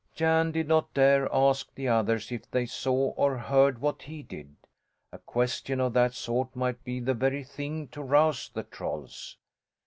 Jan did not dare ask the others if they saw or heard what he did. A question of that sort might be the very thing to rouse the trolls.